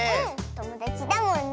ともだちだもんね。